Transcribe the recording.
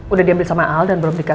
udah diambil sama al dan belum dikasih